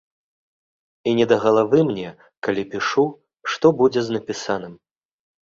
І не да галавы мне, калі пішу, што будзе з напісаным.